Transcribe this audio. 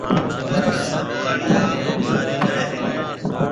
اوئيَ را سڀ ٻاݪيا اسڪول جائيَ ھيََََ